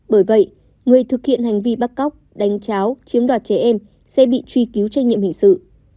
bởi vậy người thực hiện hành vi bắt cóc đánh cháo chiếm đoạt trẻ em sẽ bị truy cứu trách nhiệm hình sự